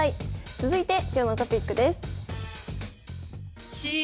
続いて今日のトピックです。